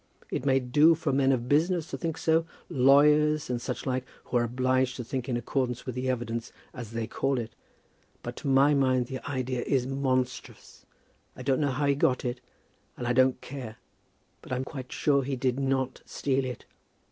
It may do for men of business to think so, lawyers and such like, who are obliged to think in accordance with the evidence, as they call it; but to my mind the idea is monstrous. I don't know how he got it, and I don't care; but I'm quite sure he did not steal it.